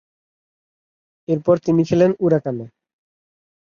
এরপর তিনি খেলেন উরাকানে।